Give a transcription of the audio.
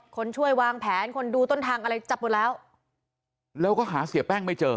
คนช่วยวางแผนคนดูต้นทางอะไรจับหมดแล้วแล้วก็หาเสียแป้งไม่เจอ